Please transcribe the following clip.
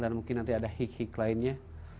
dan mungkin nanti ada hik hik lainnya